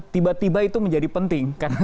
tiba tiba itu menjadi penting